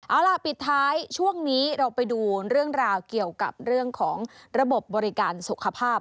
เอาล่ะปิดท้ายช่วงนี้เราไปดูเรื่องราวเกี่ยวกับเรื่องของระบบบริการสุขภาพ